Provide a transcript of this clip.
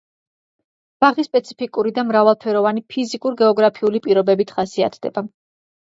ბაღი სპეციფიკური და მრავალფეროვანი ფიზიკურ-გეოგრაფიული პირობებით ხასიათდება.